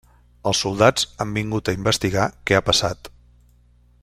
Els soldats han vingut a investigar què ha passat.